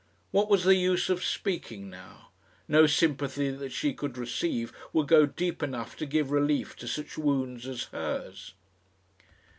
What was the use of speaking now? No sympathy that she could receive would go deep enough to give relief to such wounds as hers.